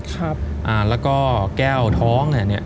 แล้วก็แก้วท้องเนี่ย